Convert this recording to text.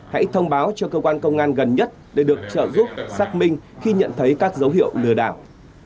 hãy thông báo cho cơ quan công an gần nhất để được trợ giúp xác minh khi nhận thấy các dấu hiệu lừa đảo